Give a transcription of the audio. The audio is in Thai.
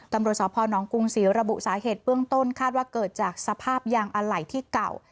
ตำรวจสพนกรุงศรีระบุสาเหตุเบื้องต้นคาดว่าเกิดจากสภาพยางอะไหล่ที่เก่า